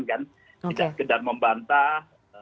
bisa sedang membantah